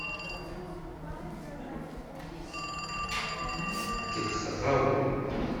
Kellḥeɣ-awen.